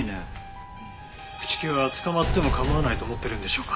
朽木は捕まっても構わないと思ってるんでしょうか？